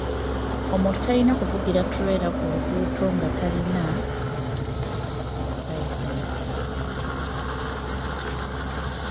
Omuntu talna kuvugira ttuleera ku nguudo okuggyako ng'erina layisinsi.